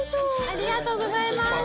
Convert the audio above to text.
ありがとうございます。